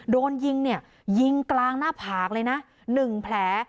โดนยิงยิงกลางหน้าผากเลยนะหนึ่งแผล